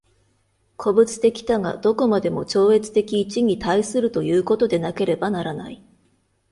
個物的多が何処までも超越的一に対するということでなければならない。